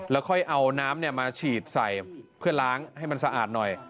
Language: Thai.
แล้วค่อยเอาน้ำมาฉีดใส่เพื่อล้างให้มันสะอาดหน่อย